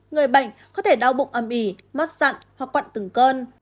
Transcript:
người bệnh có thể đau bụng âm ỉ mất dặn hoặc quặn từng cơn